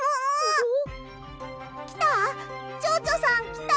きた？